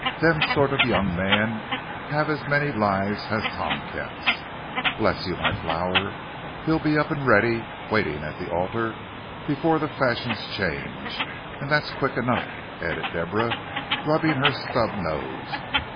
"Them sort of young men have as many lives as tom cats. Bless you, my flower, he'll be up and ready, waiting at the altar, before the fashions change and that's quick enough," added Deborah, rubbing her snub nose.